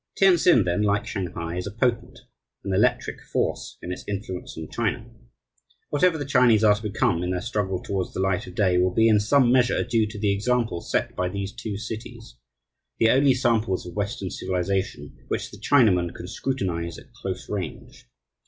Tientsin, then, like Shanghai, is a potent, an electric, force in its influence on China. Whatever the Chinese are to become in their struggle towards the light of day will be in some measure due to the example set by these two cities, the only samples of Western civilization which the Chinaman can scrutinize at close range.